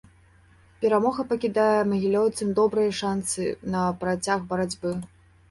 Перамога пакідае магілёўцам добрыя шанцы на працяг барацьбы.